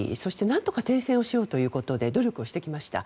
なんとか停戦をしようということで努力をしてきました。